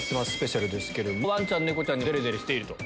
ワンちゃん猫ちゃんにデレデレしていると。